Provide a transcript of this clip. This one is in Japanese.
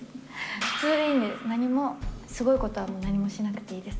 普通でいいんで、何もすごいことは何もしなくていいです。